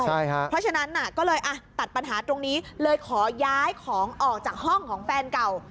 เพราะฉะนั้นก็เลยตัดปัญหาตรงนี้เลยขอย้ายของออกจากห้องของแฟนเก่า